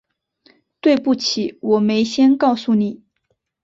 对不起，我没先告诉你